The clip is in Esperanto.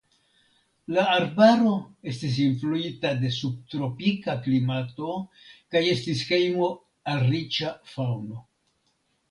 La arbaro estis influita de subtropika klimato kaj estis hejmo al riĉa faŭno.